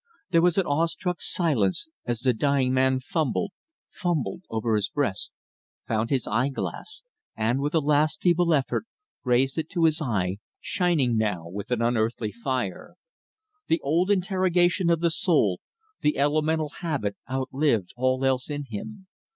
There was an awe struck silence as the dying man fumbled, fumbled, over his breast, found his eye glass, and, with a last feeble effort, raised it to his eye, shining now with an unearthly fire. The old interrogation of the soul, the elemental habit outlived all else in him.